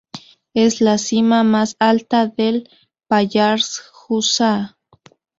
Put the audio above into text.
Es la cima más alta del Pallars Jussá.